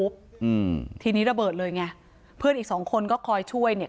อืมทีนี้ระเบิดเลยไงเพื่อนอีกสองคนก็คอยช่วยเนี่ย